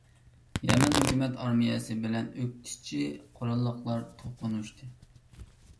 يەمەن ھۆكۈمەت ئارمىيەسى بىلەن ئۆكتىچى قوراللىقلار توقۇنۇشتى.